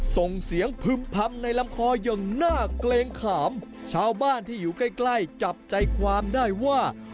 ส่งเสียงพึ่มพำในลำคออย่างน่าเกรงขามชาวบ้านที่อยู่ใกล้ใกล้จับใจความได้ว่า